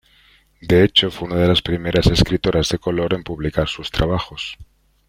De hecho, fue una de las primeras escritoras de color en publicar sus trabajos.